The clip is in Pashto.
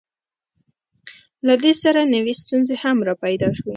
له دې سره نوې ستونزې هم راپیدا شوې.